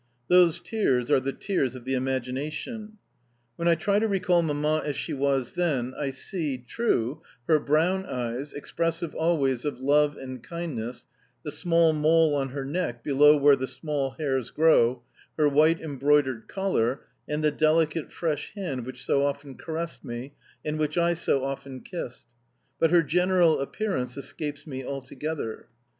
Those tears are the tears of the imagination. When I try to recall Mamma as she was then, I see, true, her brown eyes, expressive always of love and kindness, the small mole on her neck below where the small hairs grow, her white embroidered collar, and the delicate, fresh hand which so often caressed me, and which I so often kissed; but her general appearance escapes me altogether.